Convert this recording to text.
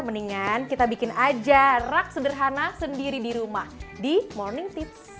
mendingan kita bikin aja rak sederhana sendiri di rumah di morning tips